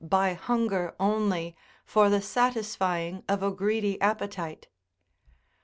113 by hunger only for the satisfying of a greedy appetite ?